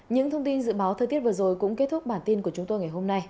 những thông tin dự báo thời tiết vừa rồi cũng kết thúc bản tin của chúng tôi ngày hôm nay